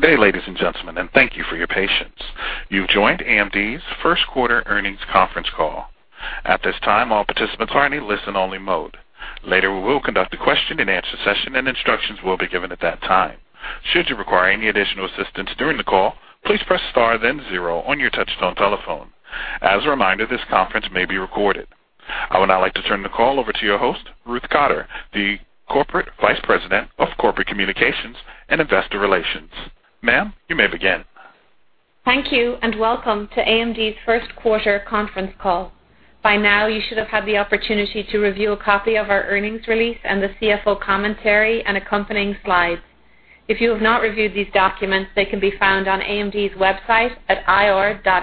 Good day, ladies and gentlemen. Thank you for your patience. You've joined AMD's first quarter earnings conference call. At this time, all participants are in a listen only mode. Later, we will conduct a question and answer session. Instructions will be given at that time. Should you require any additional assistance during the call, please press star then zero on your touch-tone telephone. As a reminder, this conference may be recorded. I would now like to turn the call over to your host, Ruth Cotter, the Corporate Vice President of Corporate Communications and Investor Relations. Ma'am, you may begin. Thank you. Welcome to AMD's first quarter conference call. By now, you should have had the opportunity to review a copy of our earnings release and the CFO commentary and accompanying slides. If you have not reviewed these documents, they can be found on AMD's website at ir.amd.com.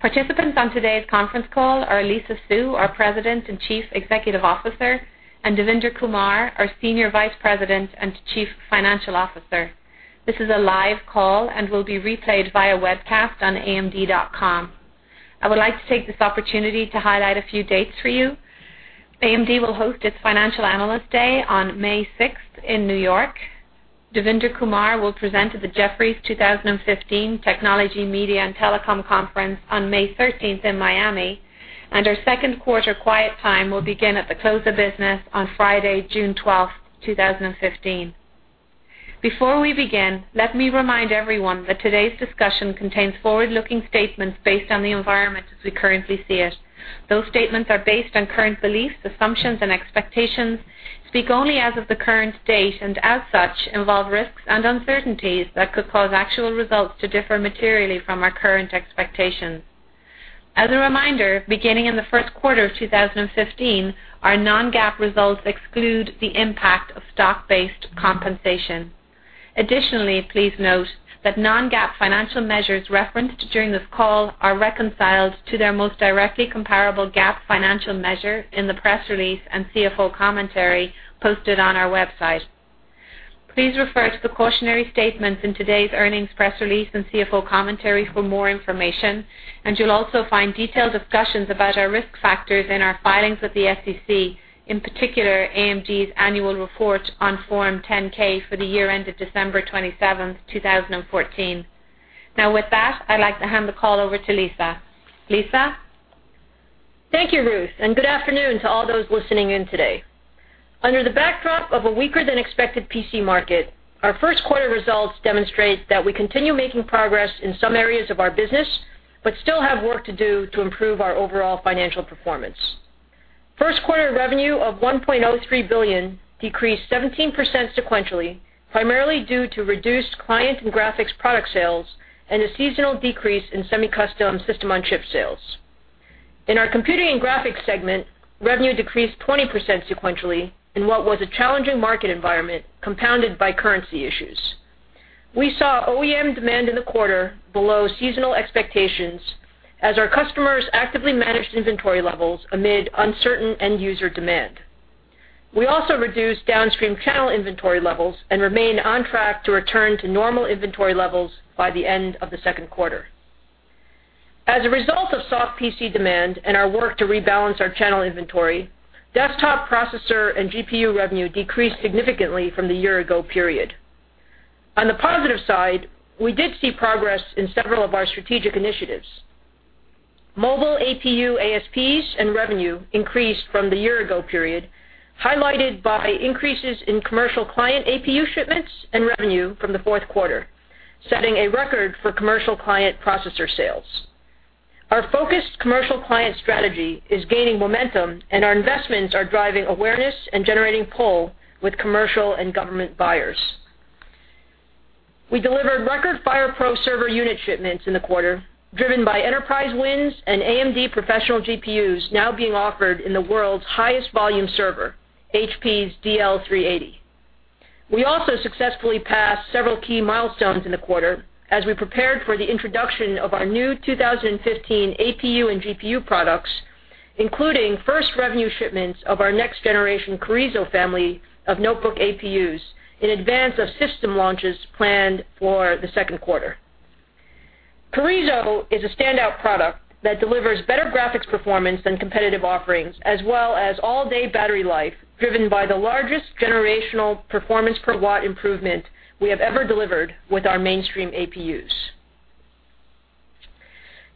Participants on today's conference call are Lisa Su, our President and Chief Executive Officer. Devinder Kumar, our Senior Vice President and Chief Financial Officer. This is a live call and will be replayed via webcast on amd.com. I would like to take this opportunity to highlight a few dates for you. AMD will host its Financial Analyst Day on May 6th in New York. Devinder Kumar will present at the Jefferies 2015 Technology, Media and Telecom Conference on May 13th in Miami. Our second quarter quiet time will begin at the close of business on Friday, June 12th, 2015. Before we begin, let me remind everyone that today's discussion contains forward-looking statements based on the environment as we currently see it. Those statements are based on current beliefs, assumptions, expectations, speak only as of the current date. As such, involve risks and uncertainties that could cause actual results to differ materially from our current expectations. As a reminder, beginning in the first quarter of 2015, our non-GAAP results exclude the impact of stock-based compensation. Additionally, please note that non-GAAP financial measures referenced during this call are reconciled to their most directly comparable GAAP financial measure in the press release and CFO commentary posted on our website. Please refer to the cautionary statements in today's earnings press release and CFO commentary for more information. You'll also find detailed discussions about our risk factors in our filings with the SEC, in particular, AMD's annual report on Form 10-K for the year end of December 27th, 2014. Now with that, I'd like to hand the call over to Lisa. Lisa? Thank you, Ruth, and good afternoon to all those listening in today. Under the backdrop of a weaker than expected PC market, our first quarter results demonstrate that we continue making progress in some areas of our business, but still have work to do to improve our overall financial performance. First quarter revenue of $1.03 billion decreased 17% sequentially, primarily due to reduced client and graphics product sales and a seasonal decrease in semi-custom SoC sales. In our computing graphics segment, revenue decreased 20% sequentially in what was a challenging market environment compounded by currency issues. We saw OEM demand in the quarter below seasonal expectations as our customers actively managed inventory levels amid uncertain end user demand. We also reduced downstream channel inventory levels and remain on track to return to normal inventory levels by the end of the second quarter. As a result of soft PC demand and our work to rebalance our channel inventory, desktop processor and GPU revenue decreased significantly from the year ago period. On the positive side, we did see progress in several of our strategic initiatives. Mobile APU ASPs and revenue increased from the year ago period, highlighted by increases in commercial client APU shipments and revenue from the fourth quarter, setting a record for commercial client processor sales. Our focused commercial client strategy is gaining momentum, and our investments are driving awareness and generating pull with commercial and government buyers. We delivered record FirePro server unit shipments in the quarter, driven by enterprise wins and AMD professional GPUs now being offered in the world's highest volume server, HP's DL380. We also successfully passed several key milestones in the quarter as we prepared for the introduction of our new 2015 APU and GPU products, including first revenue shipments of our next generation Carrizo family of notebook APUs in advance of system launches planned for the second quarter. Carrizo is a standout product that delivers better graphics performance than competitive offerings as well as all-day battery life, driven by the largest generational performance per watt improvement we have ever delivered with our mainstream APUs.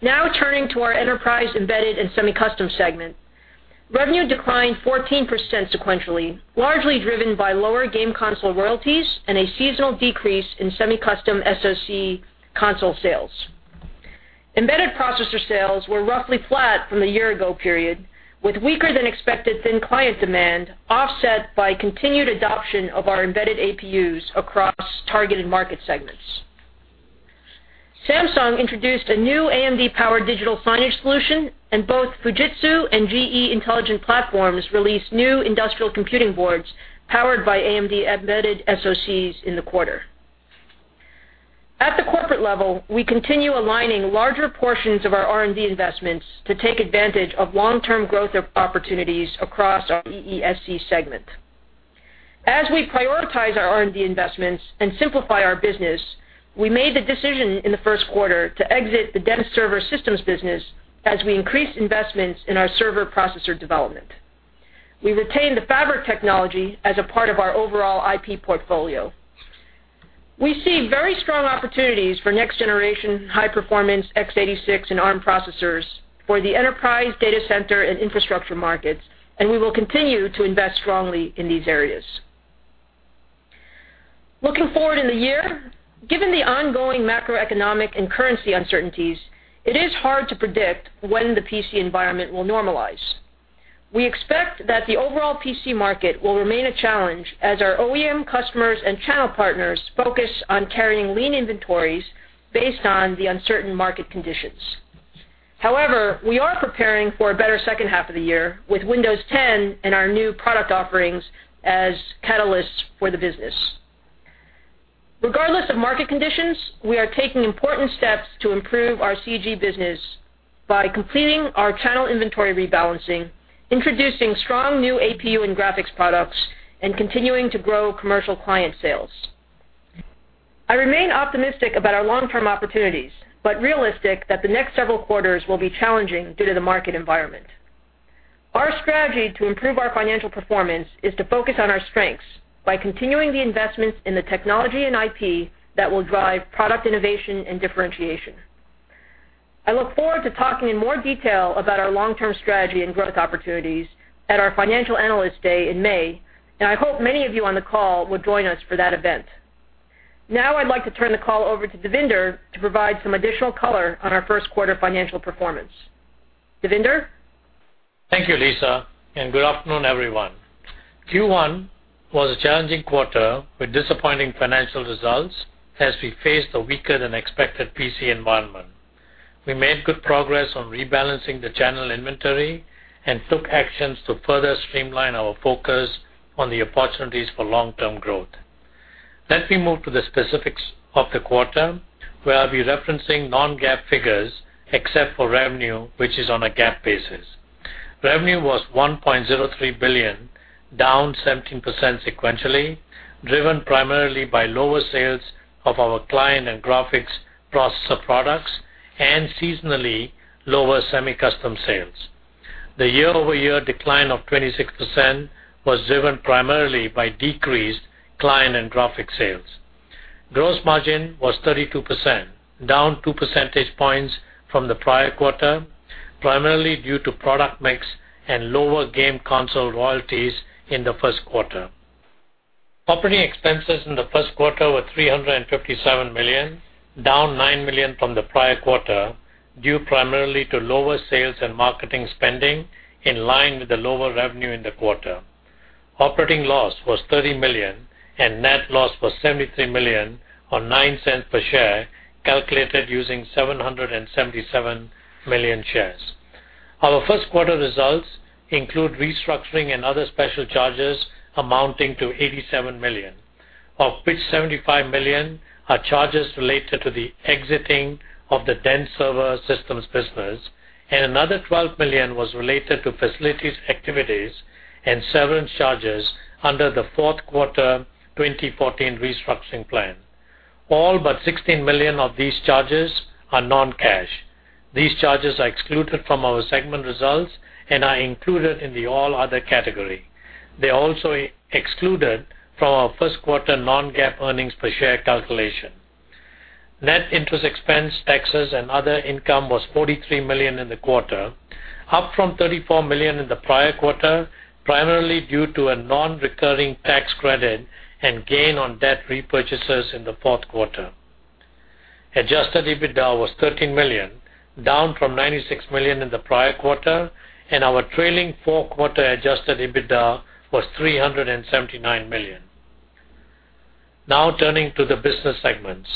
Now turning to our enterprise embedded and semi-custom segment. Revenue declined 14% sequentially, largely driven by lower game console royalties and a seasonal decrease in semi-custom SoC console sales. Embedded processor sales were roughly flat from the year ago period, with weaker than expected thin client demand offset by continued adoption of our embedded APUs across targeted market segments. Samsung introduced a new AMD-powered digital signage solution, and both Fujitsu and GE Intelligent Platforms released new industrial computing boards powered by AMD embedded SoCs in the quarter. At the corporate level, we continue aligning larger portions of our R&D investments to take advantage of long-term growth opportunities across our EESC segment. As we prioritize our R&D investments and simplify our business, we made the decision in the first quarter to exit the dense server systems business as we increase investments in our server processor development. We retain the fabric technology as a part of our overall IP portfolio. We see very strong opportunities for next-generation high-performance x86 and ARM processors for the enterprise data center and infrastructure markets, and we will continue to invest strongly in these areas. Looking forward in the year, given the ongoing macroeconomic and currency uncertainties, it is hard to predict when the PC environment will normalize. We expect that the overall PC market will remain a challenge as our OEM customers and channel partners focus on carrying lean inventories based on the uncertain market conditions. However, we are preparing for a better second half of the year with Windows 10 and our new product offerings as catalysts for the business. Regardless of market conditions, we are taking important steps to improve our CG business by completing our channel inventory rebalancing, introducing strong new APU and graphics products, and continuing to grow commercial client sales. I remain optimistic about our long-term opportunities, but realistic that the next several quarters will be challenging due to the market environment. Our strategy to improve our financial performance is to focus on our strengths by continuing the investments in the technology and IP that will drive product innovation and differentiation. I look forward to talking in more detail about our long-term strategy and growth opportunities at our Financial Analyst Day in May, and I hope many of you on the call will join us for that event. I'd like to turn the call over to Devinder to provide some additional color on our first quarter financial performance. Devinder? Thank you, Lisa, and good afternoon, everyone. Q1 was a challenging quarter with disappointing financial results as we faced a weaker-than-expected PC environment. We made good progress on rebalancing the channel inventory and took actions to further streamline our focus on the opportunities for long-term growth. Let me move to the specifics of the quarter, where I'll be referencing non-GAAP figures, except for revenue, which is on a GAAP basis. Revenue was $1.03 billion, down 17% sequentially, driven primarily by lower sales of our client and graphics processor products and seasonally lower semi-custom sales. The year-over-year decline of 26% was driven primarily by decreased client and graphic sales. Gross margin was 32%, down two percentage points from the prior quarter, primarily due to product mix and lower game console royalties in the first quarter. Operating expenses in the first quarter were $357 million, down $9 million from the prior quarter, due primarily to lower sales and marketing spending in line with the lower revenue in the quarter. Operating loss was $30 million, and net loss was $73 million, or $0.09 per share, calculated using 777 million shares. Our first quarter results include restructuring and other special charges amounting to $87 million, of which $75 million are charges related to the exiting of the dense server systems business, and another $12 million was related to facilities activities and severance charges under the fourth quarter 2014 restructuring plan. All but $16 million of these charges are non-cash. These charges are excluded from our segment results and are included in the all other category. They are also excluded from our first quarter non-GAAP earnings per share calculation. Net interest expense, taxes, and other income was $43 million in the quarter, up from $34 million in the prior quarter, primarily due to a non-recurring tax credit and gain on debt repurchases in the fourth quarter. Adjusted EBITDA was $13 million, down from $96 million in the prior quarter, and our trailing four-quarter adjusted EBITDA was $379 million. Turning to the business segments.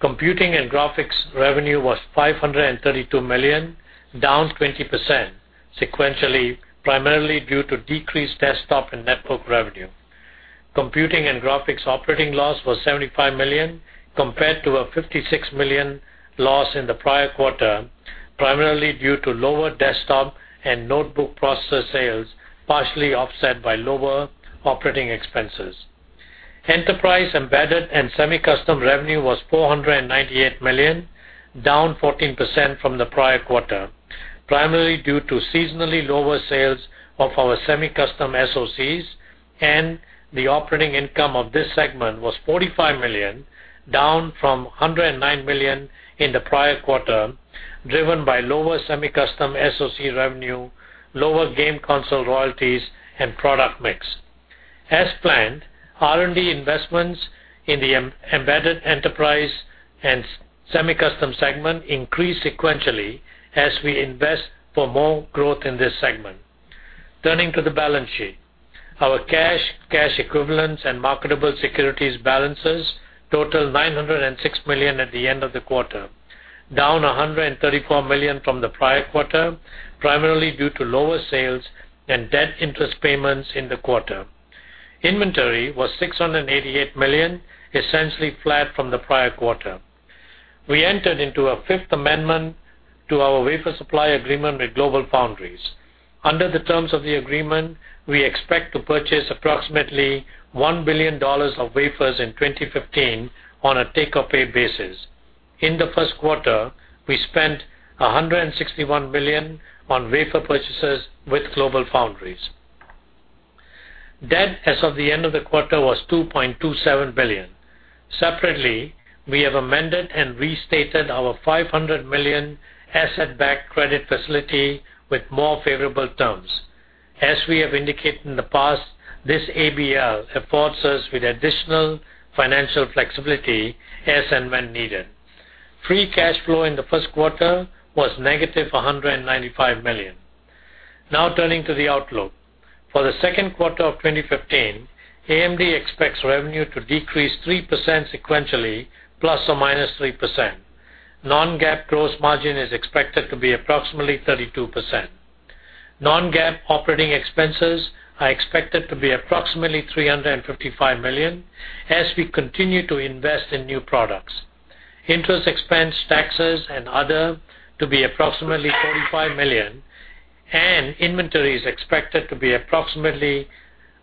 Computing and graphics revenue was $532 million, down 20% sequentially, primarily due to decreased desktop and notebook revenue. Computing and graphics operating loss was $75 million, compared to a $56 million loss in the prior quarter, primarily due to lower desktop and notebook processor sales, partially offset by lower operating expenses. Under the terms of the agreement, we expect to purchase approximately $1 billion R&D investments in the embedded enterprise and semi-custom segment increased sequentially as we invest for more growth in this segment. Turning to the balance sheet. Our cash equivalents, and marketable securities balances total $906 million at the end of the quarter, down $134 million from the prior quarter, primarily due to lower sales and debt interest payments in the quarter. Inventory was $688 million, essentially flat from the prior quarter. We entered into a fifth amendment to our wafer supply agreement with GlobalFoundries. Interest expense, taxes, and other to be approximately $45 million. Inventory is expected to be approximately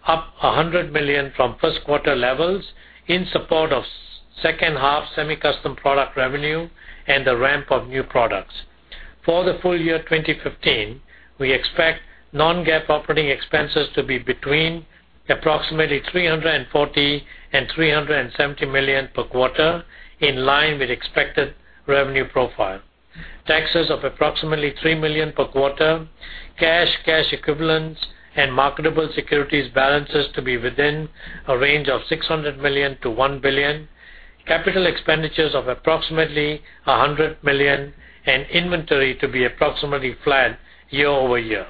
up $100 million from first-quarter levels in support of second-half semi-custom product revenue and the ramp of new products. For the full year 2015, we expect non-GAAP operating expenses to be between approximately $340 million and $370 million per quarter, in line with expected revenue profile. Taxes of approximately $3 million per quarter, cash equivalents, and marketable securities balances to be within a range of $600 million to $1 billion, capital expenditures of approximately $100 million, and inventory to be approximately flat year-over-year.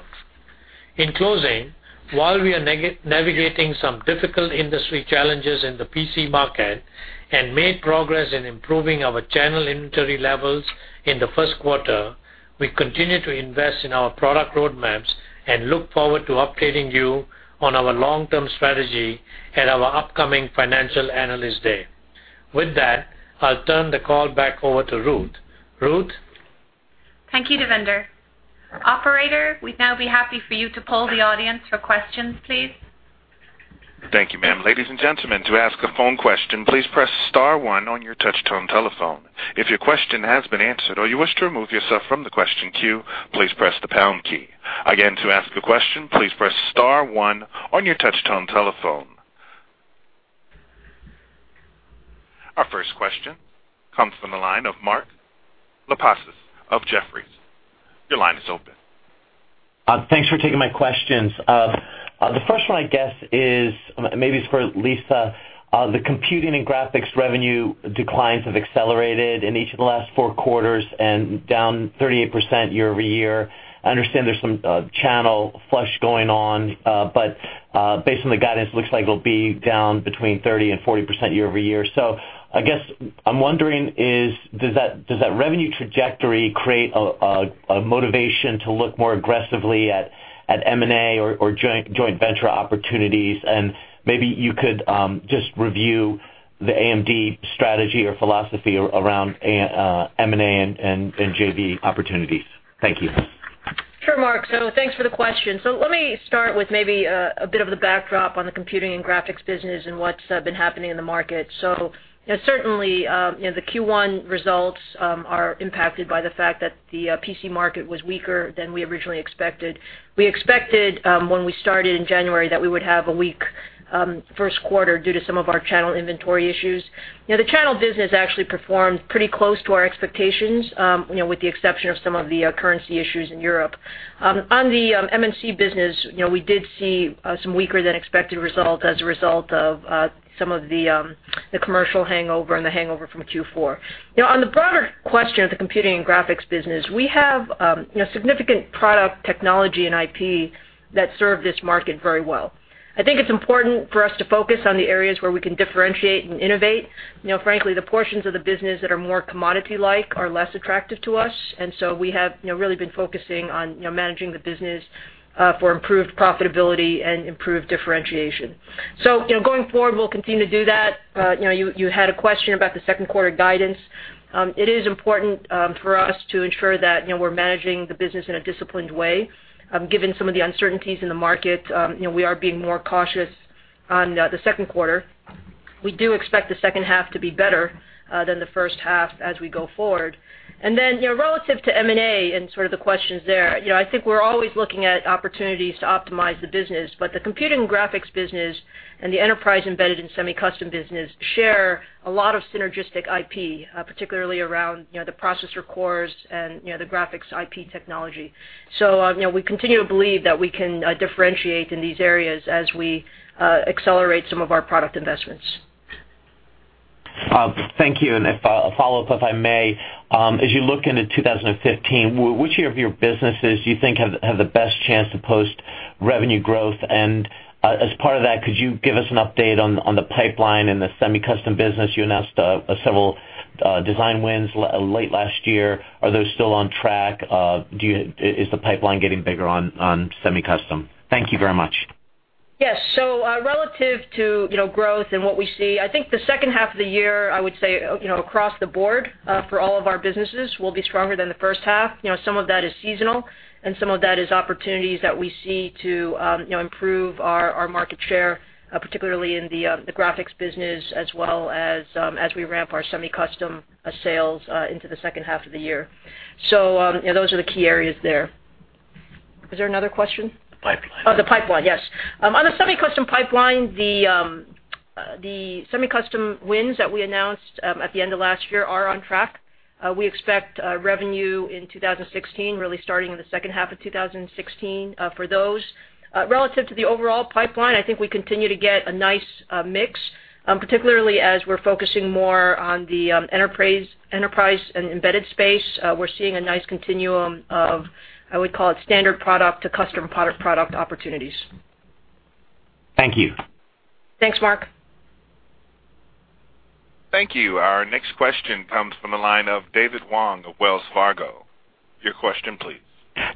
In closing, while we are navigating some difficult industry challenges in the PC market and made progress in improving our channel inventory levels in the first quarter, we continue to invest in our product roadmaps and look forward to updating you on our long-term strategy at our upcoming Financial Analyst Day. With that, I'll turn the call back over to Ruth. Ruth? Thank you, Devinder. Operator, we'd now be happy for you to poll the audience for questions, please. Thank you, ma'am. Ladies and gentlemen, to ask a phone question, please press *1 on your touch-tone telephone. If your question has been answered or you wish to remove yourself from the question queue, please press the # key. Again, to ask a question, please press *1 on your touch-tone telephone. Our first question comes from the line of Mark Lipacis of Jefferies. Your line is open. Thanks for taking my questions. The first one I guess is, maybe it's for Lisa. The computing and graphics revenue declines have accelerated in each of the last four quarters and down 38% year-over-year. I understand there's some channel flush going on. Based on the guidance, looks like it'll be down between 30% and 40% year-over-year. I guess I'm wondering, does that revenue trajectory create a motivation to look more aggressively at M&A or joint venture opportunities? Maybe you could just review the AMD strategy or philosophy around M&A and JV opportunities. Thank you. Sure, Mark. Thanks for the question. Let me start with maybe a bit of the backdrop on the computing and graphics business and what's been happening in the market. Certainly, the Q1 results are impacted by the fact that the PC market was weaker than we originally expected. We expected, when we started in January, that we would have a weak first quarter due to some of our channel inventory issues. The channel business actually performed pretty close to our expectations, with the exception of some of the currency issues in Europe. On the OEM business, we did see some weaker than expected result as a result of some of the commercial hangover and the hangover from Q4. On the broader question of the computing and graphics business, we have significant product technology and IP that serve this market very well. I think it's important for us to focus on the areas where we can differentiate and innovate. Frankly, the portions of the business that are more commodity-like are less attractive to us, we have really been focusing on managing the business for improved profitability and improved differentiation. Going forward, we'll continue to do that. You had a question about the second quarter guidance. It is important for us to ensure that we're managing the business in a disciplined way. Given some of the uncertainties in the market, we are being more cautious on the second quarter. We do expect the second half to be better than the first half as we go forward. Relative to M&A and sort of the questions there, I think we're always looking at opportunities to optimize the business. The computing graphics business and the enterprise embedded and semi-custom business share a lot of synergistic IP, particularly around the processor cores and the graphics IP technology. We continue to believe that we can differentiate in these areas as we accelerate some of our product investments. Thank you, a follow-up, if I may. As you look into 2015, which of your businesses do you think have the best chance to post revenue growth? As part of that, could you give us an update on the pipeline in the semi-custom business? You announced several design wins late last year. Are those still on track? Is the pipeline getting bigger on semi-custom? Thank you very much. Yes. Relative to growth and what we see, I think the second half of the year, I would say, across the board for all of our businesses will be stronger than the first half. Some of that is seasonal, and some of that is opportunities that we see to improve our market share, particularly in the graphics business, as well as we ramp our semi-custom sales into the second half of the year. Those are the key areas there. Is there another question? The pipeline. The pipeline, yes. On the semi-custom pipeline, the semi-custom wins that we announced at the end of last year are on track. We expect revenue in 2016, really starting in the second half of 2016 for those. Relative to the overall pipeline, I think we continue to get a nice mix, particularly as we're focusing more on the enterprise and embedded space. We're seeing a nice continuum of, I would call it standard product to custom product opportunities. Thank you. Thanks, Mark. Thank you. Our next question comes from the line of David Wong of Wells Fargo. Your question please.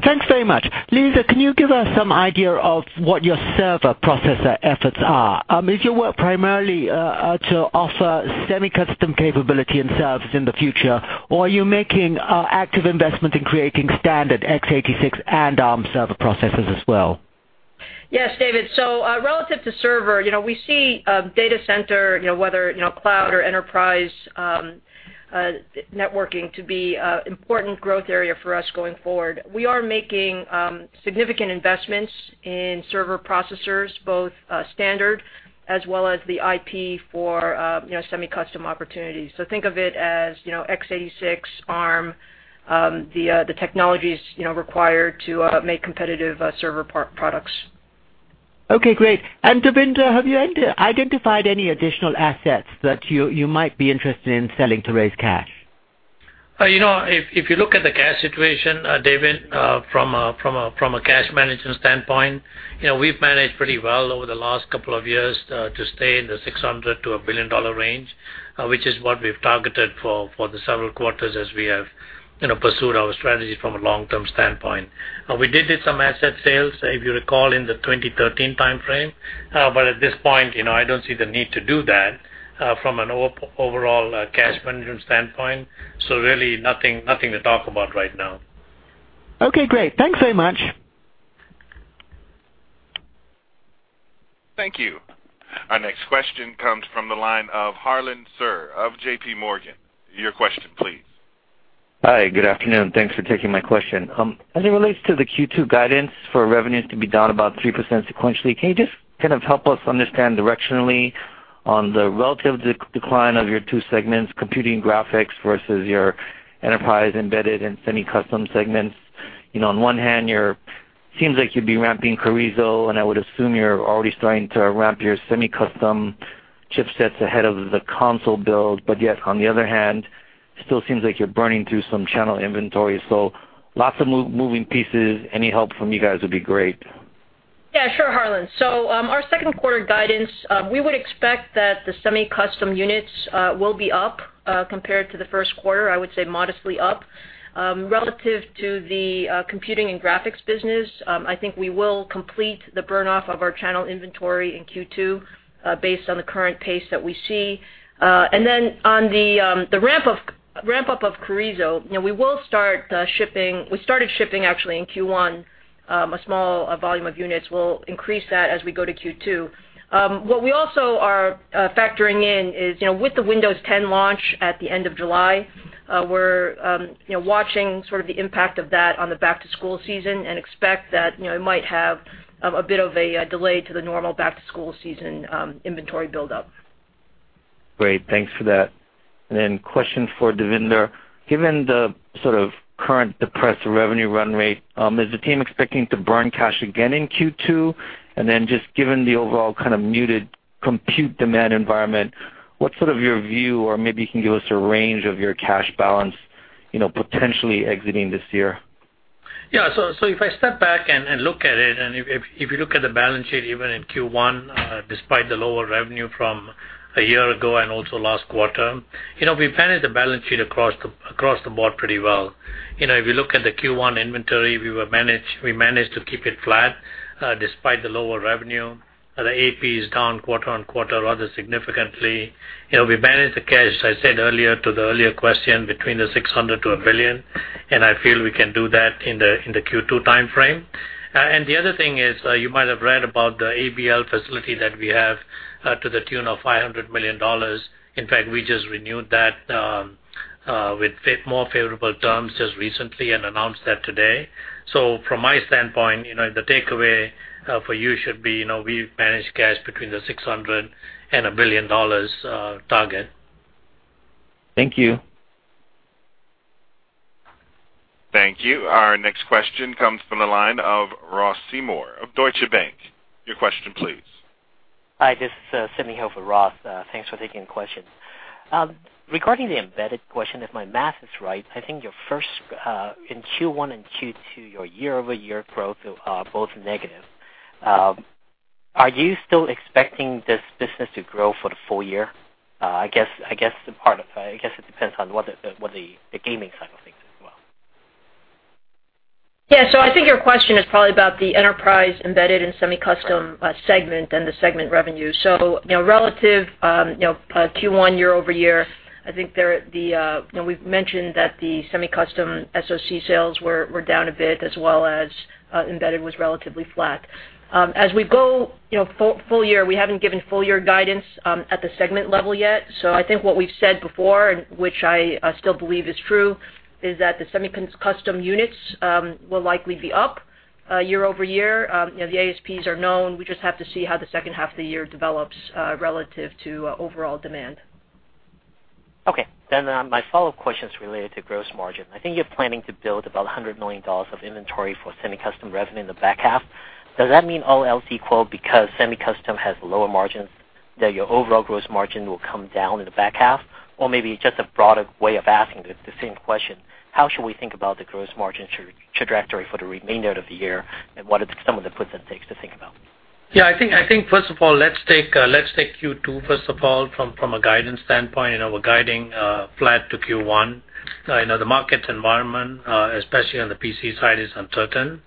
Thanks very much. Lisa, can you give us some idea of what your server processor efforts are? Is your work primarily to offer semi-custom capability and services in the future, or are you making active investment in creating standard x86 and ARM server processors as well? Yes, David. Relative to server, we see data center, whether cloud or enterprise networking to be important growth area for us going forward. We are making significant investments in server processors, both standard as well as the IP for semi-custom opportunities. Think of it as x86 ARM, the technologies required to make competitive server products. Okay, great. Devinder, have you identified any additional assets that you might be interested in selling to raise cash? If you look at the cash situation, David, from a cash management standpoint, we've managed pretty well over the last couple of years to stay in the $600 to $1 billion range, which is what we've targeted for the several quarters as we have pursued our strategy from a long-term standpoint. We did some asset sales, if you recall, in the 2013 timeframe. At this point, I don't see the need to do that from an overall cash management standpoint, so really nothing to talk about right now. Okay, great. Thanks very much. Thank you. Our next question comes from the line of Harlan Sur of JP Morgan. Your question please. Hi, good afternoon. Thanks for taking my question. As it relates to the Q2 guidance for revenues to be down about 3% sequentially, can you just kind of help us understand directionally on the relative decline of your two segments, computing graphics versus your enterprise embedded and semi-custom segments? On one hand, seems like you'd be ramping Carrizo, and I would assume you're already starting to ramp your semi-custom chipsets ahead of the console build, but yet on the other hand, still seems like you're burning through some channel inventory. Lots of moving pieces. Any help from you guys would be great. Yeah, sure, Harlan. Our second quarter guidance, we would expect that the semi-custom units will be up compared to the first quarter, I would say modestly up. Relative to the computing and graphics business, I think we will complete the burn off of our channel inventory in Q2, based on the current pace that we see. On the ramp up of Carrizo, we started shipping actually in Q1, a small volume of units. We'll increase that as we go to Q2. What we also are factoring in is with the Windows 10 launch at the end of July, we're watching sort of the impact of that on the back-to-school season and expect that it might have a bit of a delay to the normal back-to-school season inventory buildup. Great. Thanks for that. Question for Devinder. Given the sort of current depressed revenue run rate, is the team expecting to burn cash again in Q2? Just given the overall kind of muted compute demand environment, what's sort of your view or maybe you can give us a range of your cash balance potentially exiting this year? Yeah. If I step back and look at it, if you look at the balance sheet, even in Q1, despite the lower revenue from a year ago and also last quarter, we managed the balance sheet across the board pretty well. If you look at the Q1 inventory, we managed to keep it flat despite the lower revenue. The AP is down quarter-on-quarter rather significantly. We managed the cash, as I said earlier to the earlier question, between the $600-$1 billion, and I feel we can do that in the Q2 timeframe. The other thing is, you might have read about the ABL facility that we have to the tune of $500 million. In fact, we just renewed that with more favorable terms just recently and announced that today. From my standpoint, the takeaway for you should be, we've managed cash between the $600 and $1 billion target. Thank you. Thank you. Our next question comes from the line of Ross Seymore of Deutsche Bank. Your question please. Hi, this is Sidney Hill for Ross. Thanks for taking the question. Regarding the embedded question, if my math is right, I think in Q1 and Q2, your year-over-year growth are both negative. Are you still expecting this business to grow for the full year? I guess it depends on what the gaming side of things. I think your question is probably about the Enterprise, Embedded and Semi-Custom segment and the segment revenue. Relative Q1 year-over-year, I think we've mentioned that the semi-custom SoC sales were down a bit as well as embedded was relatively flat. As we go full-year, we haven't given full-year guidance at the segment level yet. I think what we've said before, and which I still believe is true, is that the semi-custom units will likely be up year-over-year. The ASPs are known. We just have to see how the second half of the year develops, relative to overall demand. Okay. My follow-up question is related to gross margin. I think you're planning to build about $100 million of inventory for semi-custom revenue in the back half. Does that mean all else equal because semi-custom has lower margins, that your overall gross margin will come down in the back half? Maybe just a broader way of asking the same question, how should we think about the gross margin trajectory for the remainder of the year? What are some of the puts and takes to think about? I think first of all, let's take Q2 first of all, from a guidance standpoint, we're guiding flat to Q1. I know the market environment, especially on the PC side, is uncertain.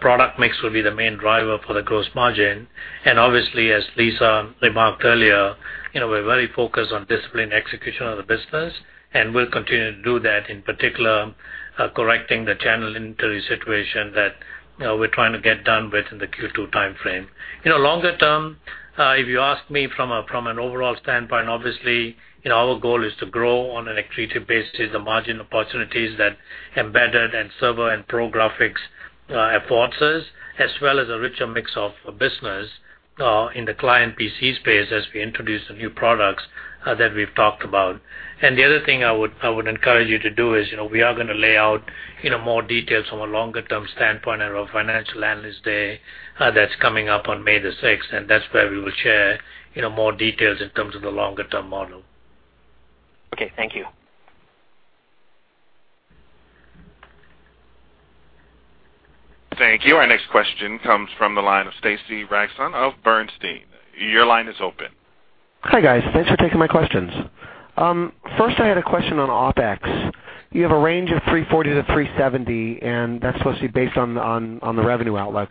Product mix will be the main driver for the gross margin. Obviously, as Lisa remarked earlier, we're very focused on disciplined execution of the business, and we'll continue to do that, in particular, correcting the channel inventory situation that we're trying to get done with in the Q2 timeframe. Longer term, if you ask me from an overall standpoint, obviously, our goal is to grow on an accretive basis, the margin opportunities that embedded and server and pro graphics affords us, as well as a richer mix of business in the client PC space as we introduce the new products that we've talked about. The other thing I would encourage you to do is, we are going to lay out more details from a longer-term standpoint at our financial analyst day that's coming up on May the 6th, that's where we will share more details in terms of the longer-term model. Okay. Thank you. Thank you. Our next question comes from the line of Stacy Rasgon of Bernstein. Your line is open. Hi, guys. Thanks for taking my questions. First I had a question on OpEx. You have a range of $340-$370, and that's mostly based on the revenue outlook.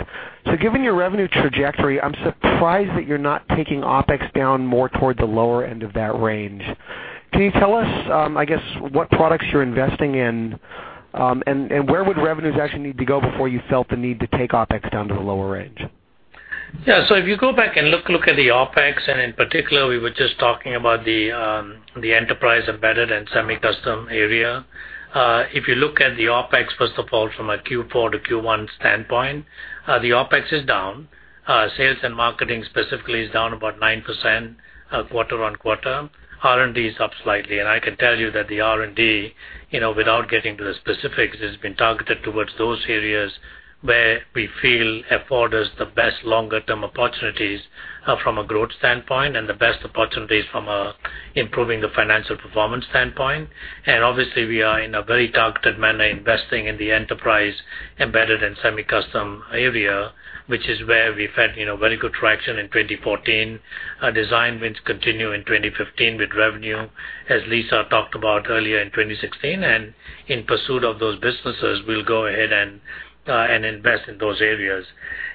Given your revenue trajectory, I'm surprised that you're not taking OpEx down more toward the lower end of that range. Can you tell us, I guess, what products you're investing in? Where would revenues actually need to go before you felt the need to take OpEx down to the lower range? Yeah. If you go back and look at the OpEx, in particular, we were just talking about the enterprise embedded and semi-custom area. If you look at the OpEx, first of all, from a Q4 to Q1 standpoint, the OpEx is down. Sales and marketing specifically is down about 9% quarter-on-quarter. R&D is up slightly. I can tell you that the R&D, without getting to the specifics, has been targeted towards those areas where we feel affords us the best longer-term opportunities from a growth standpoint and the best opportunities from improving the financial performance standpoint. Obviously, we are in a very targeted manner, investing in the enterprise embedded and semi-custom area, which is where we've had very good traction in 2014. Design wins continue in 2015 with revenue, as Lisa Su talked about earlier, in 2016. In pursuit of those businesses, we'll go ahead and invest in those areas.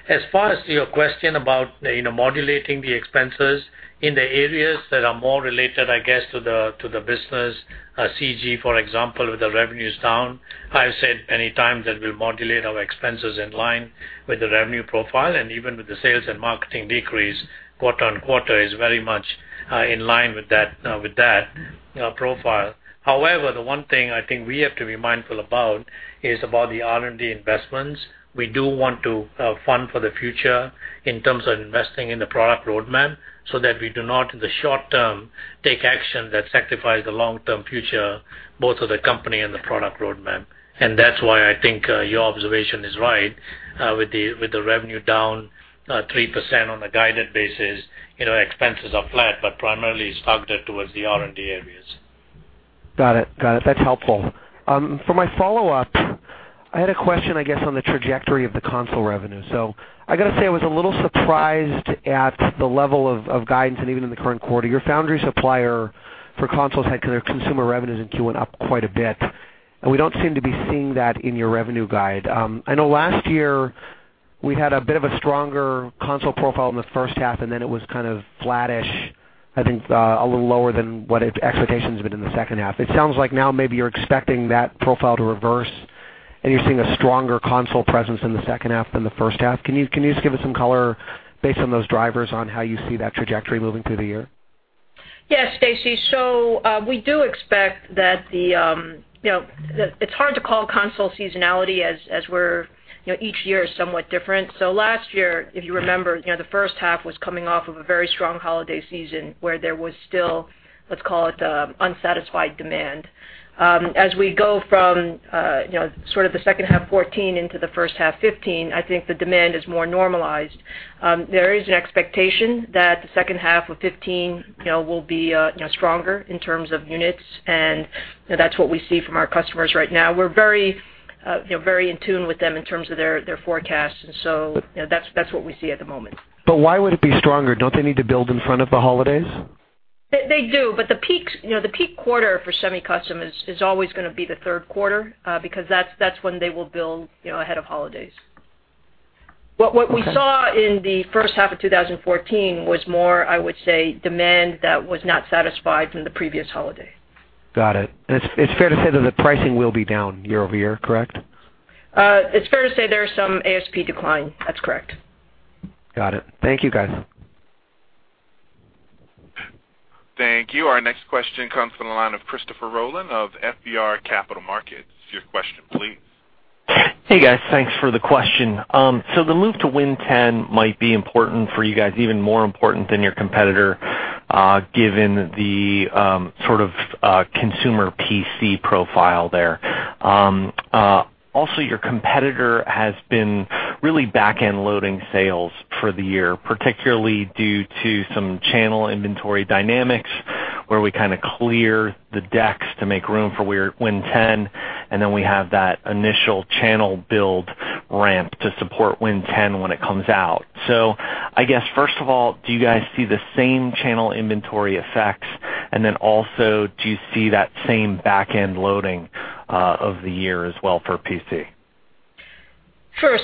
As far as your question about modulating the expenses in the areas that are more related, I guess, to the business, CG, for example, with the revenues down, I've said many times that we'll modulate our expenses in line with the revenue profile, and even with the sales and marketing decrease quarter-on-quarter is very much in line with that profile. However, the one thing I think we have to be mindful about is about the R&D investments. We do want to fund for the future in terms of investing in the product roadmap so that we do not, in the short-term, take action that sacrifices the long-term future, both of the company and the product roadmap. That's why I think your observation is right, with the revenue down 3% on a guided basis, expenses are flat, but primarily it's targeted towards the R&D areas. Got it. That's helpful. For my follow-up, I had a question, I guess, on the trajectory of the console revenue. I got to say, I was a little surprised at the level of guidance and even in the current quarter. Your foundry supplier for consoles had consumer revenues in Q1 up quite a bit, and we don't seem to be seeing that in your revenue guide. I know last year we had a bit of a stronger console profile in the first-half, and then it was kind of flattish, I think, a little lower than what expectations have been in the second-half. It sounds like now maybe you're expecting that profile to reverse and you're seeing a stronger console presence in the second-half than the first-half. Can you just give us some color based on those drivers on how you see that trajectory moving through the year? Yeah. Stacy, we do expect It's hard to call console seasonality as each year is somewhat different. Last year, if you remember, the first half was coming off of a very strong holiday season where there was still, let's call it, unsatisfied demand. As we go from sort of the second half 2014 into the first half 2015, I think the demand is more normalized. There is an expectation that the second half of 2015 will be stronger in terms of units, that's what we see from our customers right now. We're very in tune with them in terms of their forecasts, that's what we see at the moment. Why would it be stronger? Don't they need to build in front of the holidays? They do, the peak quarter for semi-custom is always going to be the third quarter because that's when they will build ahead of holidays. Okay. What we saw in the first half of 2014 was more, I would say, demand that was not satisfied from the previous holiday. Got it. It's fair to say that the pricing will be down year-over-year, correct? It's fair to say there is some ASP decline. That's correct. Got it. Thank you, guys. Thank you. Our next question comes from the line of Christopher Rolland of FBR Capital Markets. Your question please. Hey, guys. Thanks for the question. The move to Win 10 might be important for you guys, even more important than your competitor, given the sort of consumer PC profile there. Also, your competitor has been really back-end loading sales for the year, particularly due to some channel inventory dynamics, where we kind of clear the decks to make room for Win 10, and then we have that initial channel build ramp to support Win 10 when it comes out. I guess, first of all, do you guys see the same channel inventory effects? Also, do you see that same back-end loading of the year as well for PC? Sure.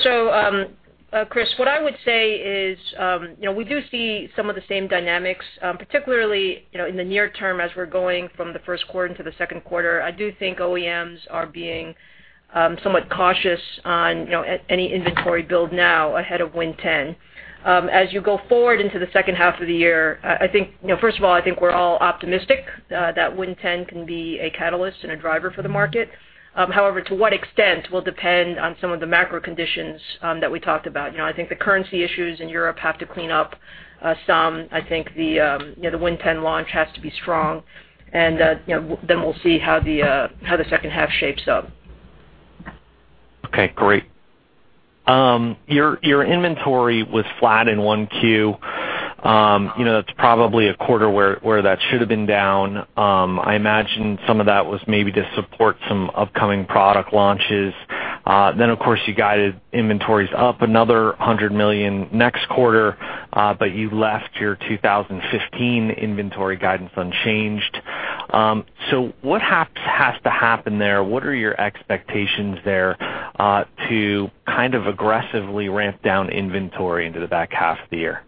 Chris, what I would say is we do see some of the same dynamics, particularly in the near term as we're going from the first quarter into the second quarter. I do think OEMs are being somewhat cautious on any inventory build now ahead of Win 10. As you go forward into the second half of the year, first of all, I think we're all optimistic that Win 10 can be a catalyst and a driver for the market. However, to what extent will depend on some of the macro conditions that we talked about. I think the currency issues in Europe have to clean up some. I think the Win 10 launch has to be strong. We'll see how the second half shapes up. Okay, great. Your inventory was flat in 1Q. That's probably a quarter where that should have been down. I imagine some of that was maybe to support some upcoming product launches. Of course, you guided inventories up another $100 million next quarter, but you left your 2015 inventory guidance unchanged. What has to happen there? What are your expectations there to kind of aggressively ramp down inventory into the back half of the year?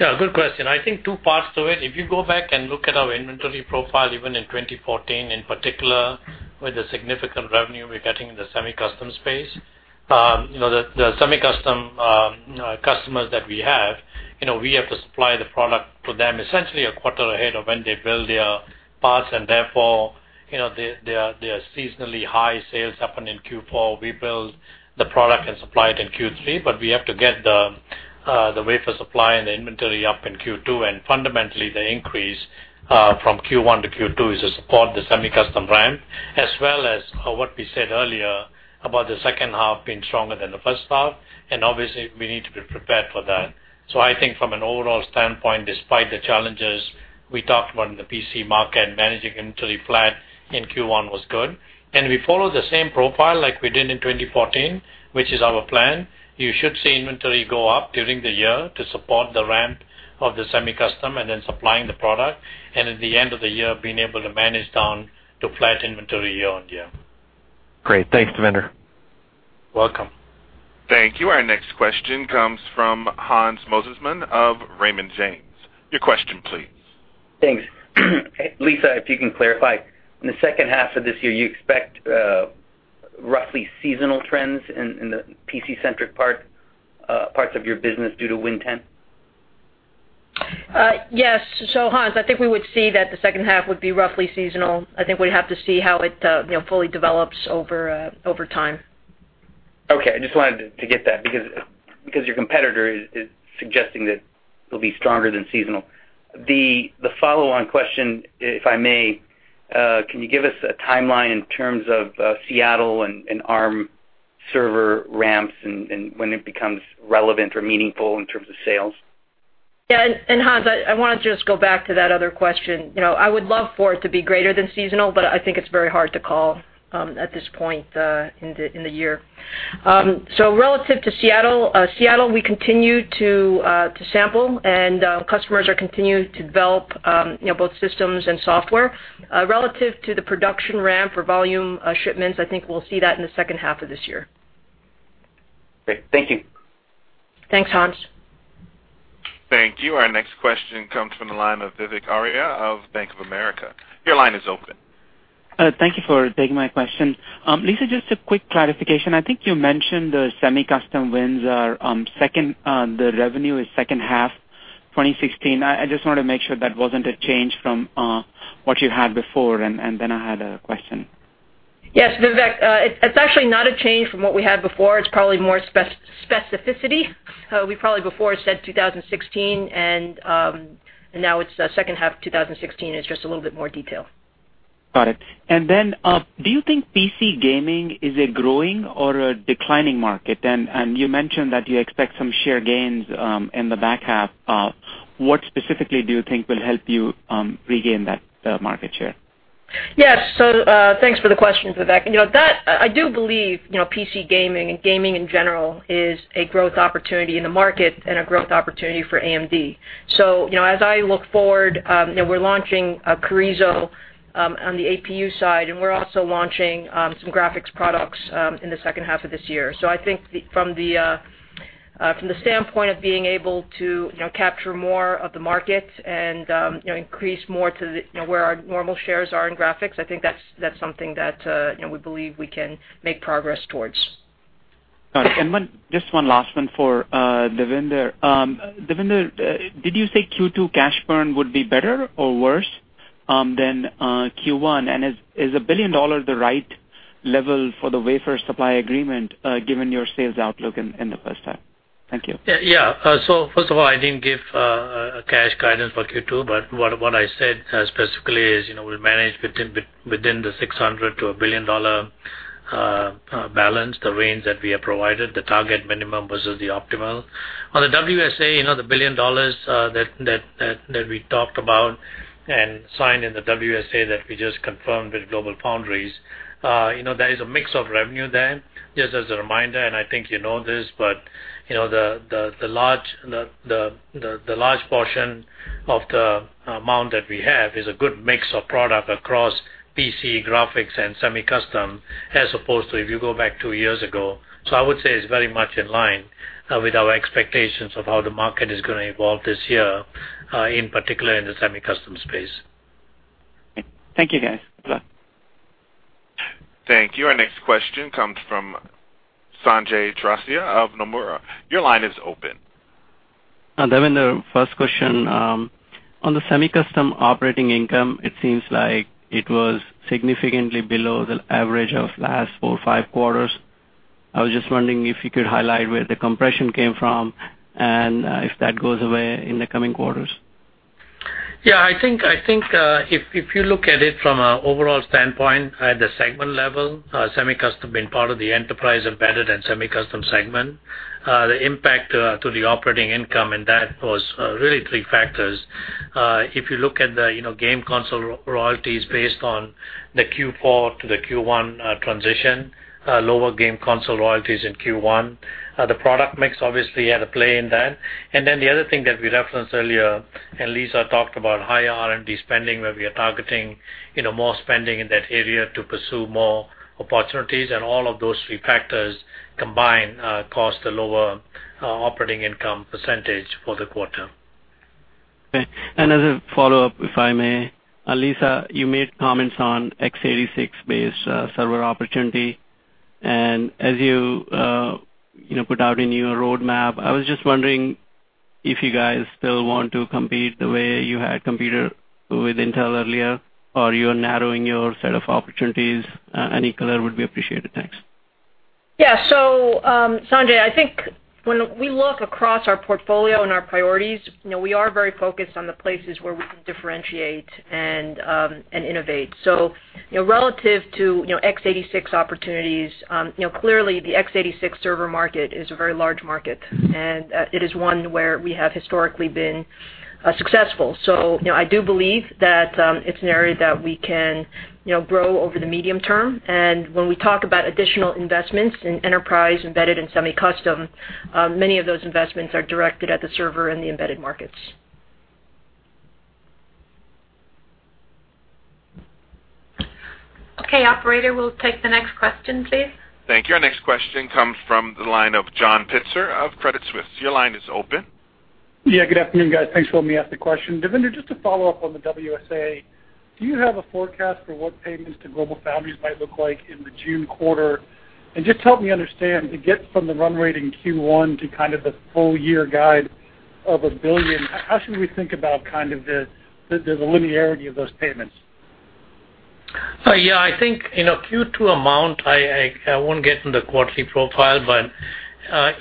Yeah, good question. I think two parts to it. If you go back and look at our inventory profile, even in 2014, in particular, with the significant revenue we're getting in the semi-custom space. The semi-custom customers that we have, we have to supply the product to them essentially a quarter ahead of when they build their parts, and therefore, their seasonally high sales happen in Q4. We build the product and supply it in Q3, but we have to get the wafer supply and the inventory up in Q2, and fundamentally, the increase from Q1 to Q2 is to support the semi-custom ramp as well as what we said earlier about the second half being stronger than the first half, and obviously, we need to be prepared for that. I think from an overall standpoint, despite the challenges we talked about in the PC market, managing inventory flat in Q1 was good. We follow the same profile like we did in 2014, which is our plan. You should see inventory go up during the year to support the ramp of the semi-custom and then supplying the product, and at the end of the year, being able to manage down to flat inventory year-on-year. Great. Thanks, Devinder. Welcome. Thank you. Our next question comes from Hans Mosesmann of Raymond James. Your question, please. Thanks. Lisa, if you can clarify, in the second half of this year, you expect roughly seasonal trends in the PC-centric parts of your business due to Win 10? Yes. Hans, I think we would see that the second half would be roughly seasonal. I think we'd have to see how it fully develops over time. Okay. I just wanted to get that because your competitor is suggesting that it'll be stronger than seasonal. The follow-on question, if I may, can you give us a timeline in terms of Seattle and ARM server ramps and when it becomes relevant or meaningful in terms of sales? Yeah. Hans, I want to just go back to that other question. I would love for it to be greater than seasonal, but I think it's very hard to call at this point in the year. Relative to Seattle, we continue to sample, and customers are continuing to develop both systems and software. Relative to the production ramp or volume shipments, I think we'll see that in the second half of this year. Great. Thank you. Thanks, Hans. Thank you. Our next question comes from the line of Vivek Arya of Bank of America. Your line is open. Thank you for taking my question. Lisa, just a quick clarification. I think you mentioned the semi-custom wins are second, the revenue is second half 2016. I just wanted to make sure that wasn't a change from what you had before, and then I had a question. Yes, Vivek. It's actually not a change from what we had before. It's probably more specificity. We probably before said 2016, and now it's second half 2016. It's just a little bit more detail. Got it. Do you think PC gaming is a growing or a declining market? You mentioned that you expect some share gains in the back half. What specifically do you think will help you regain that market share? Yes. Thanks for the question, Vivek. I do believe PC gaming and gaming in general is a growth opportunity in the market and a growth opportunity for AMD. As I look forward, we're launching Carrizo on the APU side, and we're also launching some graphics products in the second half of this year. I think from the standpoint of being able to capture more of the market and increase more to where our normal shares are in graphics, I think that's something that we believe we can make progress towards. Got it. Just one last one for Devinder. Devinder, did you say Q2 cash burn would be better or worse than Q1? Is $1 billion the right level for the wafer supply agreement, given your sales outlook in the first half? Thank you. Yeah. First of all, I didn't give a cash guidance for Q2, what I said specifically is we'll manage within the $600-$1 billion balance, the range that we have provided, the target minimum versus the optimal. On the WSA, the $1 billion that we talked about and signed in the WSA that we just confirmed with GlobalFoundries, there is a mix of revenue there. Just as a reminder, I think you know this, the large portion of the amount that we have is a good mix of product across PC, graphics, and semi-custom, as opposed to if you go back two years ago. I would say it's very much in line with our expectations of how the market is going to evolve this year, in particular in the semi-custom space. Great. Thank you, guys. Good luck. Thank you. Our next question comes from Sanjay Chaurasia of Nomura. Your line is open. Devinder, first question. On the semi-custom operating income, it seems like it was significantly below the average of last four or five quarters. I was just wondering if you could highlight where the compression came from and if that goes away in the coming quarters. Yeah, I think if you look at it from an overall standpoint at the segment level, semi-custom being part of the enterprise embedded and semi-custom segment, the impact to the operating income in that was really three factors. If you look at the game console royalties based on the Q4 to the Q1 transition, lower game console royalties in Q1. The product mix obviously had a play in that. The other thing that we referenced earlier, and Lisa talked about higher R&D spending, where we are targeting more spending in that area to pursue more opportunities. All of those three factors combined cost a lower operating income percentage for the quarter. As a follow-up, if I may. Lisa Su, you made comments on x86-based server opportunity, as you put out in your roadmap, I was just wondering if you guys still want to compete the way you had competed with Intel earlier, or you are narrowing your set of opportunities. Any color would be appreciated. Thanks. Yeah. Sanjay Chaurasia, I think when we look across our portfolio and our priorities, we are very focused on the places where we can differentiate and innovate. Relative to x86 opportunities, clearly the x86 server market is a very large market, and it is one where we have historically been successful. I do believe that it's an area that we can grow over the medium term. When we talk about additional investments in enterprise, embedded, and semi-custom, many of those investments are directed at the server and the embedded markets. Okay, operator, we'll take the next question, please. Thank you. Our next question comes from the line of John Pitzer of Credit Suisse. Your line is open. Yeah, good afternoon, guys. Thanks for letting me ask the question. Devinder Kumar, just to follow up on the WSA, do you have a forecast for what payments to GlobalFoundries might look like in the June quarter? Just help me understand, to get from the run rate in Q1 to kind of the full-year guide of $1 billion, how should we think about kind of the linearity of those payments? I think Q2 amount, I won't get into the quarterly profile, but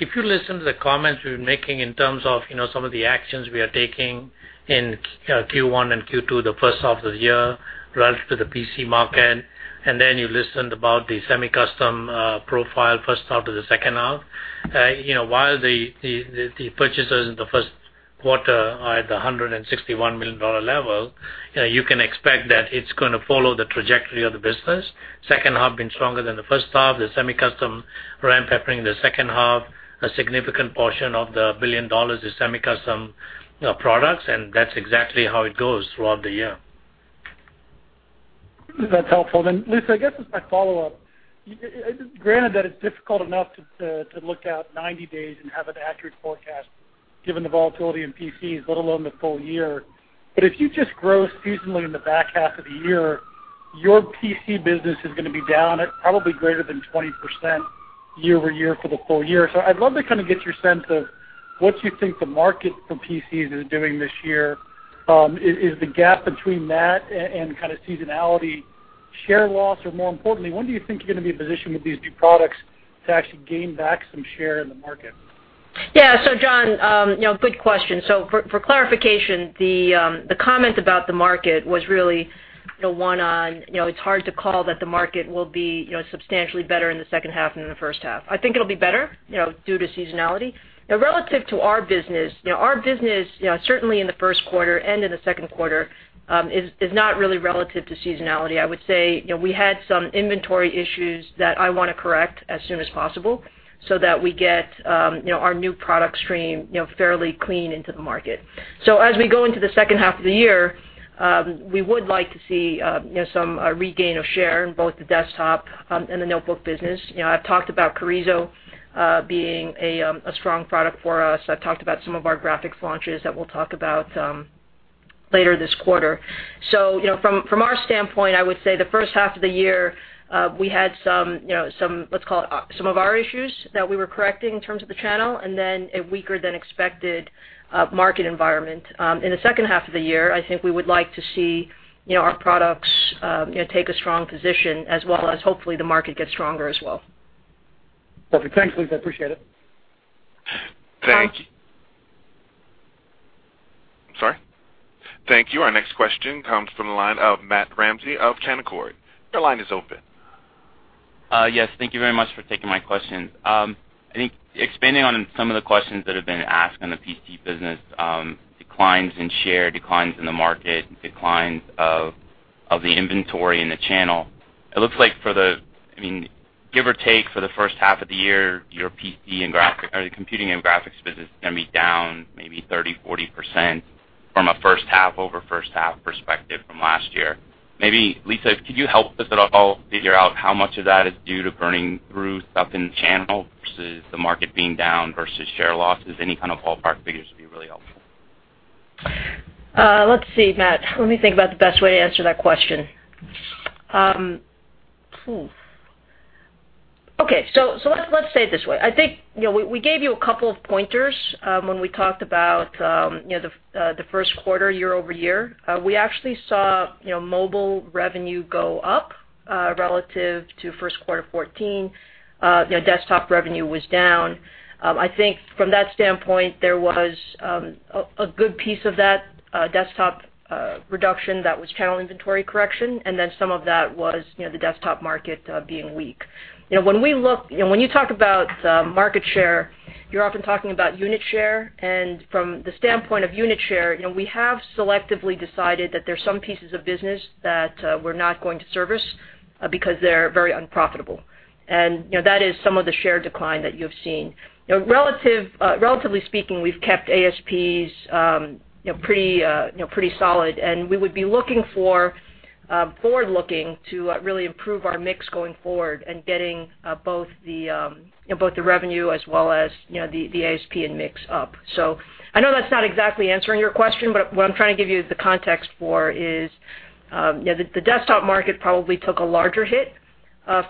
if you listen to the comments we've been making in terms of some of the actions we are taking in Q1 and Q2, the first half of the year, relative to the PC market, then you listened about the semi-custom profile first half to the second half. While the purchases in the first quarter are at the $161 million level, you can expect that it's going to follow the trajectory of the business. Second half been stronger than the first half. The semi-custom ramp happening in the second half. A significant portion of the $1 billion is semi-custom products, and that's exactly how it goes throughout the year. That's helpful. Lisa, I guess as my follow-up, granted that it's difficult enough to look out 90 days and have an accurate forecast given the volatility in PCs, let alone the full year, but if you just grow seasonally in the back half of the year, your PC business is going to be down at probably greater than 20% year-over-year for the full year. I'd love to kind of get your sense of what you think the market for PCs is doing this year. Is the gap between that and kind of seasonality share loss? More importantly, when do you think you're going to be in a position with these new products to actually gain back some share in the market? Yeah. John, good question. For clarification, the comment about the market was really the one on, it's hard to call that the market will be substantially better in the second half than in the first half. I think it'll be better due to seasonality. Relative to our business, our business certainly in the first quarter and in the second quarter, is not really relative to seasonality. I would say, we had some inventory issues that I want to correct as soon as possible so that we get our new product stream, fairly clean into the market. As we go into the second half of the year, we would like to see some regain of share in both the desktop, and the notebook business. I've talked about Carrizo, being a strong product for us. I've talked about some of our graphics launches that we'll talk about, later this quarter. From our standpoint, I would say the first half of the year, we had some of our issues that we were correcting in terms of the channel, then a weaker than expected market environment. In the second half of the year, I think we would like to see our products take a strong position as well as hopefully the market gets stronger as well. Perfect. Thanks, Lisa. Appreciate it. Thank you. I'm sorry? Thank you. Our next question comes from the line of Matt Ramsay of Canaccord. Your line is open. Yes. Thank you very much for taking my questions. I think expanding on some of the questions that have been asked on the PC business, declines in share, declines in the market, declines of the inventory in the channel. It looks like for the, give or take for the first half of the year, your PC and graphics, or the computing and graphics business is going to be down maybe 30%-40% from a first half-over-first half perspective from last year. Maybe, Lisa, could you help us at all figure out how much of that is due to burning through stuff in the channel versus the market being down versus share losses? Any kind of ballpark figures would be really helpful. Let's see, Matt. Let me think about the best way to answer that question. Okay. Let's say it this way. I think, we gave you a couple of pointers, when we talked about the first quarter year-over-year. We actually saw mobile revenue go up, relative to first quarter 2014. Desktop revenue was down. I think from that standpoint, there was a good piece of that desktop reduction that was channel inventory correction, then some of that was the desktop market being weak. When you talk about market share, you're often talking about unit share. From the standpoint of unit share, we have selectively decided that there's some pieces of business that we're not going to service because they're very unprofitable. That is some of the share decline that you've seen. Relatively speaking, we've kept ASPs pretty solid, and we would be forward looking to really improve our mix going forward and getting both the revenue as well as the ASP and mix up. I know that's not exactly answering your question, but what I'm trying to give you the context for is, the desktop market probably took a larger hit,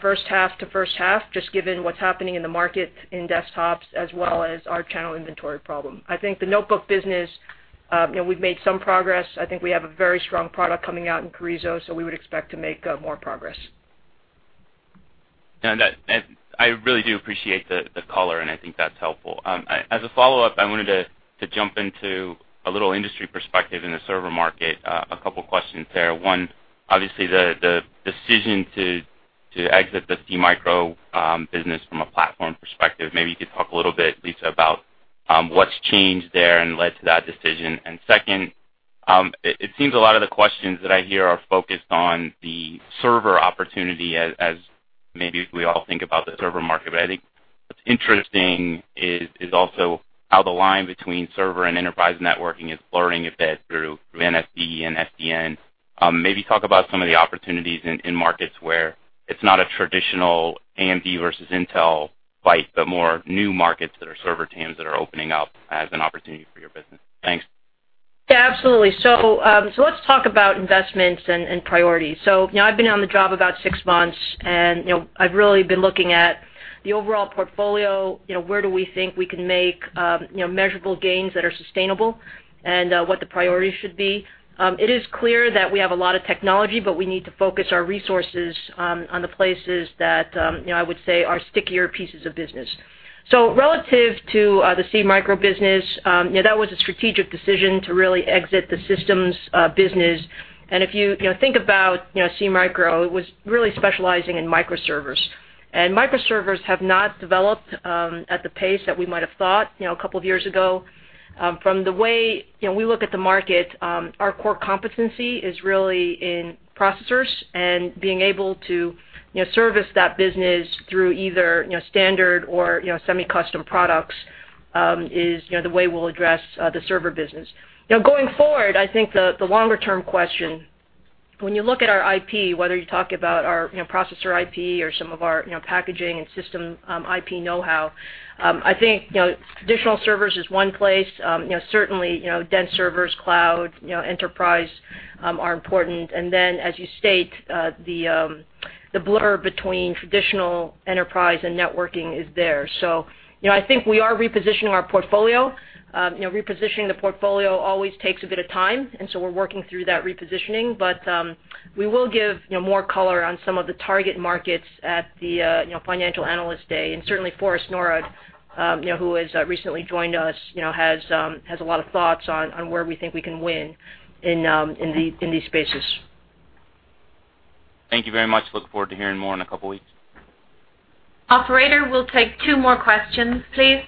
first half to first half, just given what's happening in the market in desktops as well as our channel inventory problem. I think the notebook business, we've made some progress. I think we have a very strong product coming out in Carrizo. We would expect to make more progress. I really do appreciate the color, and I think that's helpful. As a follow-up, I wanted to jump into a little industry perspective in the server market, a couple of questions there. One, obviously the decision to exit the SeaMicro business from a platform perspective, maybe you could talk a little bit, Lisa, about what's changed there and led to that decision. Second, it seems a lot of the questions that I hear are focused on the server opportunity as maybe we all think about the server market. I think what's interesting is also how the line between server and enterprise networking is blurring a bit through NFV and SDN. Maybe talk about some of the opportunities in markets where it's not a traditional AMD versus Intel fight, but more new markets that are server TAMs that are opening up as an opportunity for your business. Thanks. Yeah, absolutely. Let's talk about investments and priorities. I've been on the job about six months. I've really been looking at the overall portfolio, where do we think we can make measurable gains that are sustainable and, what the priorities should be. It is clear that we have a lot of technology, but we need to focus our resources on the places that, I would say are stickier pieces of business. Relative to the SeaMicro business, that was a strategic decision to really exit the systems business. If you think about SeaMicro, it was really specializing in microservers. Microservers have not developed at the pace that we might have thought a couple of years ago. From the way we look at the market, our core competency is really in processors and being able to service that business through either standard or semi-custom products, is the way we'll address the server business. Now, going forward, I think the longer-term question, when you look at our IP, whether you talk about our processor IP or some of our packaging and system IP know-how, I think, traditional servers is one place. Certainly, dense servers, cloud, enterprise, are important. Then as you state, the blur between traditional enterprise and networking is there. I think we are repositioning our portfolio. Repositioning the portfolio always takes a bit of time. We're working through that repositioning. We will give more color on some of the target markets at the financial analyst day. Certainly Forrest Norrod, who has recently joined us, has a lot of thoughts on where we think we can win in these spaces. Thank you very much. Look forward to hearing more in a couple weeks. Operator, we'll take two more questions, please.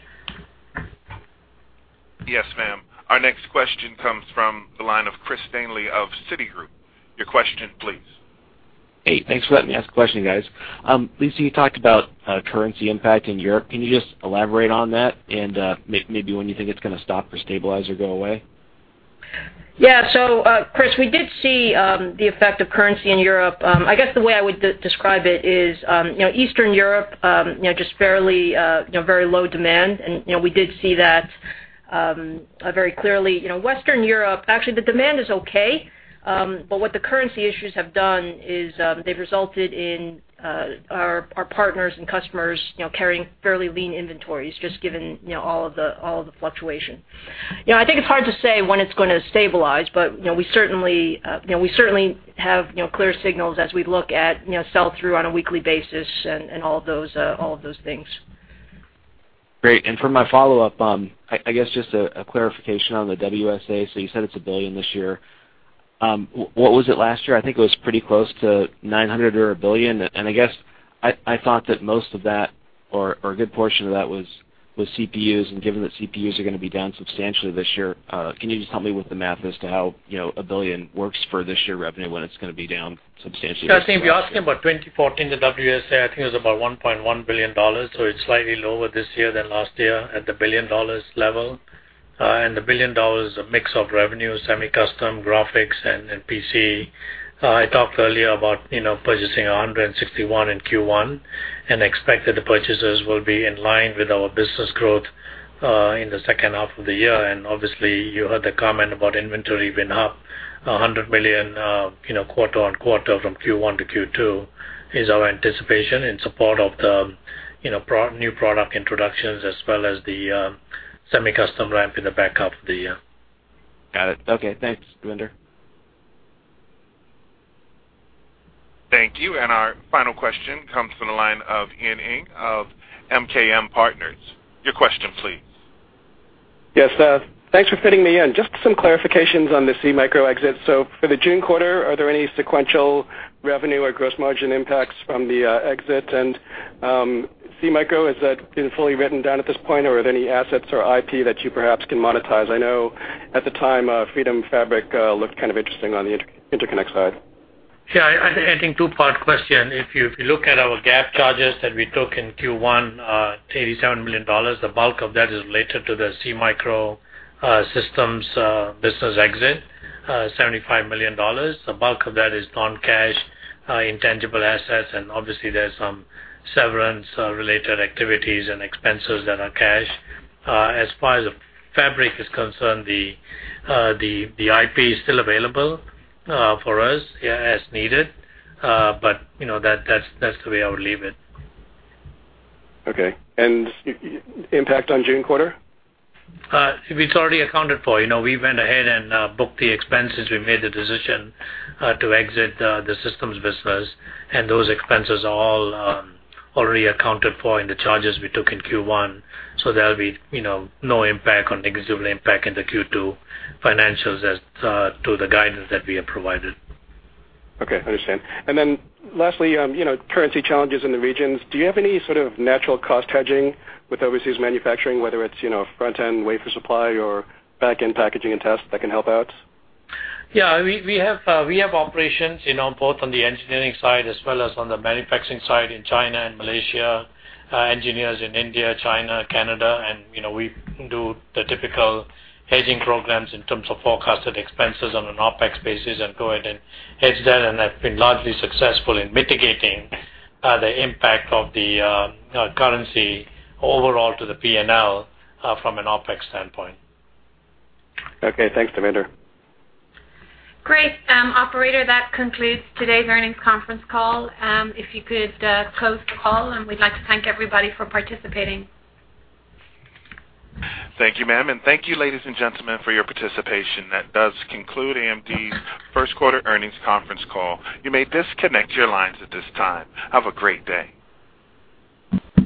Yes, ma'am. Our next question comes from the line of Christopher Danely of Citigroup. Your question please. Hey, thanks for letting me ask a question, guys. Lisa Su, you talked about currency impact in Europe. Can you just elaborate on that and maybe when you think it's going to stop or stabilize or go away? Yeah. Chris, we did see the effect of currency in Europe. I guess the way I would describe it is Eastern Europe, just very low demand. We did see that very clearly. Western Europe, actually, the demand is okay, what the currency issues have done is they've resulted in our partners and customers carrying fairly lean inventories, just given all of the fluctuation. I think it's hard to say when it's going to stabilize, we certainly have clear signals as we look at sell-through on a weekly basis and all of those things. Great. For my follow-up, I guess just a clarification on the WSA. You said it's $1 billion this year. What was it last year? I think it was pretty close to $900 million or $1 billion. I guess I thought that most of that or a good portion of that was CPUs. Given that CPUs are going to be down substantially this year, can you just help me with the math as to how $1 billion works for this year's revenue when it's going to be down substantially? Yeah. I think if you're asking about 2014, the WSA, I think it was about $1.1 billion, it's slightly lower this year than last year at the $1 billion level. The $1 billion is a mix of revenues, semi-custom graphics, and PC. I talked earlier about purchasing $161 million in Q1 and expect that the purchases will be in line with our business growth in the second half of the year. Obviously, you heard the comment about inventory being up $100 million quarter-on-quarter from Q1 to Q2, is our anticipation in support of the new product introductions as well as the semi-custom ramp in the back half of the year. Got it. Okay, thanks, Devinder. Thank you. Our final question comes from the line of Ian Ing of MKM Partners. Your question please. Yes. Thanks for fitting me in. Just some clarifications on the SeaMicro exit. For the June quarter, are there any sequential revenue or gross margin impacts from the exit? SeaMicro, has that been fully written down at this point, or are there any assets or IP that you perhaps can monetize? I know at the time, Freedom Fabric looked kind of interesting on the interconnect side. Yeah, I think two-part question. If you look at our GAAP charges that we took in Q1, $87 million, the bulk of that is related to the SeaMicro Systems business exit, $75 million. The bulk of that is non-cash, intangible assets, and obviously there's some severance-related activities and expenses that are cash. As far as the fabric is concerned, the IP is still available for us as needed. That's the way I would leave it. Okay. Impact on June quarter? It's already accounted for. We went ahead and booked the expenses. We made the decision to exit the systems business, and those expenses are all already accounted for in the charges we took in Q1. There'll be no negative impact in the Q2 financials as to the guidance that we have provided. Okay, understand. Lastly, currency challenges in the regions. Do you have any sort of natural cost hedging with overseas manufacturing, whether it's front-end wafer supply or back-end packaging and tests that can help out? Yeah. We have operations both on the engineering side as well as on the manufacturing side in China and Malaysia, engineers in India, China, Canada, and we do the typical hedging programs in terms of forecasted expenses on an OpEx basis and go ahead and hedge that and have been largely successful in mitigating the impact of the currency overall to the P&L from an OpEx standpoint. Okay, thanks, Devinder. Great. Operator, that concludes today's earnings conference call. If you could close the call, we'd like to thank everybody for participating. Thank you, ma'am. Thank you, ladies and gentlemen, for your participation. That does conclude AMD's first-quarter earnings conference call. You may disconnect your lines at this time. Have a great day.